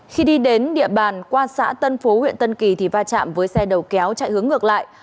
khi đi đến địa bàn qua xã tân phú huyện tân kỳ thì va chạm với xe đầu kéo chạy hướng ngược lại